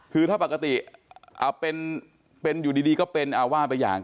คือถ้าปกติเป็นอยู่ดีก็เป็นว่าไปอย่าง